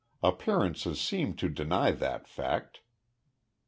Appearances seemed to deny that fact.